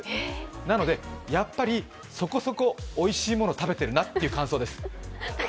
なので、やっぱりそこそこおいしいもの食べてるなっていう感想です。